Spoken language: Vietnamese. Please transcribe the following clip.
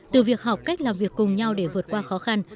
từ việc học cách làm việc cùng nhau để vượt qua khó khăn